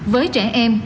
với trẻ em